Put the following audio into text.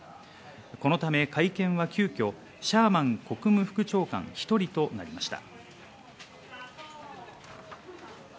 このため会見は急きょシャーマン国務副長官１人となりました。